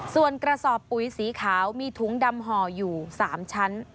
ส่วนกระสอบปุ๋ยสีขาวมีถุงดำห่ออยู่๓ชั้น